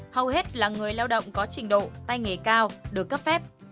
hầu hết là người lao động có trình độ tay nghề cao được cấp phép